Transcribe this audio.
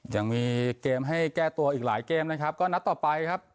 ยังมีเกมให้แก้ตัวอีกหลายเกมนะครับก็นัดต่อไปครับ